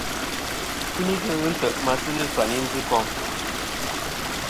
Kɨkfuni ghɨ ntè' ma a sɨ ghɨ ɨfyayn i njɨkom.